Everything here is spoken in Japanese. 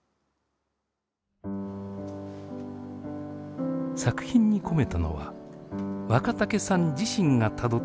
作品に込めたのは若竹さん自身がたどってきた人生。